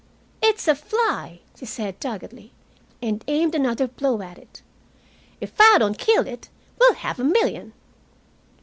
"It's a fly," she said doggedly, and aimed another blow at it. "If I don't kill it, we'll have a million.